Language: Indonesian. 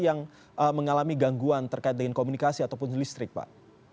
yang mengalami gangguan terkait dengan komunikasi ataupun listrik pak